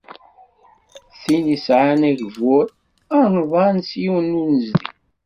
D tin isɛan agbur anḍan s yiwen n unnezdi.